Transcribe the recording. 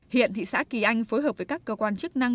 hiện thị xã kỳ anh phối hợp với các cơ quan chức năng